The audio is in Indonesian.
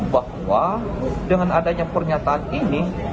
bahwa dengan adanya pernyataan ini